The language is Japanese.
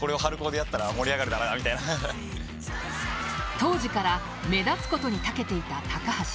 当時から目立つことに長けていた高橋。